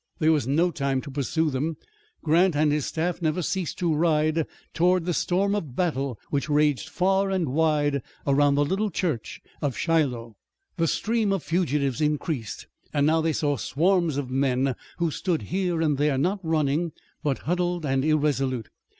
There was no time to pursue them. Grant and his staff never ceased to ride toward the storm of battle which raged far and wide around the little church of Shiloh. The stream of fugitives increased, and now they saw swarms of men who stood here and there, not running, but huddled and irresolute.